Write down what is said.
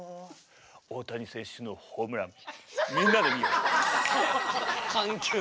大谷選手のホームランみんなで見よう。